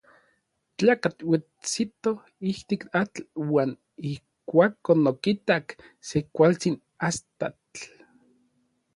Tlakatl ouetsito ijtik atl uan ijkuakon okitak se kualtsin astatl.